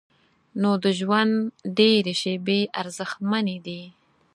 نو د ژوند ډېرې شیبې ارزښتمنې دي.